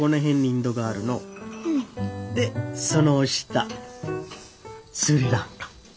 でその下スリランカ。